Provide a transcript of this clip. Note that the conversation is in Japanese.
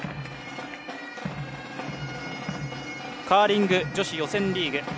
カーリング女子予選リーグ。